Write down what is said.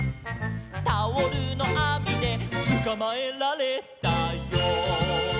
「タオルのあみでつかまえられたよ」